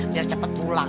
biar cepet pulang